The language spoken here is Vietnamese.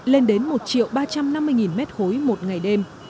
lên đến một ba trăm năm mươi m ba một ngày đêm